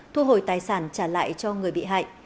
thu hồi tài sản trả lại cho người bị hại